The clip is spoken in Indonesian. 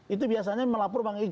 itu biasanya melapor bang egy